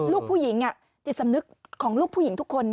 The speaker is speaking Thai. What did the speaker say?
ลูกผู้หญิงจิตสำนึกของลูกผู้หญิงทุกคน